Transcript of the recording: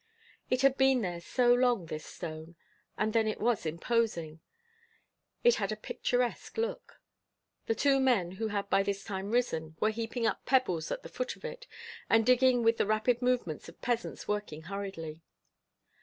It had been there so long, this stone; and then it was imposing it had a picturesque look. The two men, who had by this time risen, were heaping up pebbles at the foot of it, and digging with the rapid movements of peasants working hurriedly.